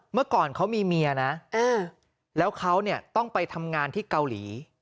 เมื่อก่อนเขามีเมียนะแล้วเขาเนี่ยต้องไปทำงานที่เกาหลี